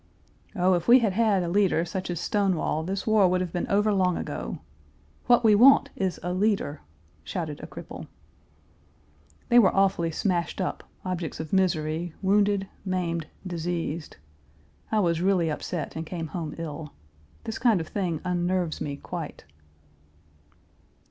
"Oh, if we had had a leader, such as Stonewall, this war would have been over long ago! What we want is a leader!" shouted a cripple. They were awfully smashed up, objects of misery, wounded, maimed, diseased. I was really upset, and came home ill. This kind of thing unnerves me quite.